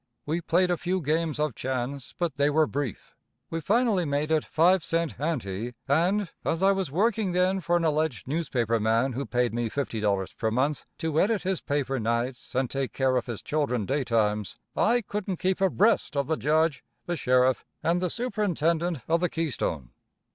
We played a few games of chance, but they were brief. We finally made it five cent ante, and, as I was working then for an alleged newspaper man who paid me $50 per month to edit his paper nights and take care of his children daytimes, I couldn't keep abreast of the Judge, the Sheriff and the Superintendent of the Keystone.